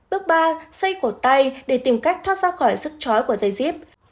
bước ba xây cổ tay để tìm cách thoát ra khỏi sức trói của dây díp